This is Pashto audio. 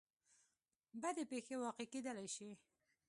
بدې پېښې واقع کېدلی شي.